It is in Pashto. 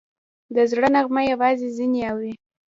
د زړه نغمه یوازې ځینې اوري